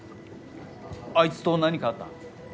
あいつと何かあった？